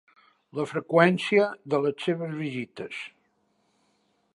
La freqüència de les seves visites.